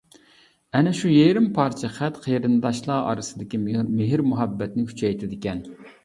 ئەنە شۇ يېرىم پارچە خەت قېرىنداشلار ئارىسىدىكى مېھىر-مۇھەببەتنى كۈچەيتىدىكەن.